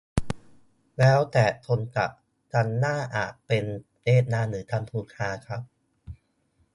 แล้วแต่คนจัด ครั้งหน้าอาจจะเป็นเวียดนามหรือกัมพูชาครับ